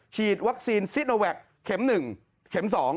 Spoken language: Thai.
ฉีดวัคซีนซิโนแวคเข็ม๑เข็ม๒